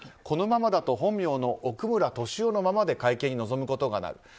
このままだと本名の奥村利夫のままで会見に臨むことになる。